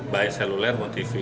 baik seluler tv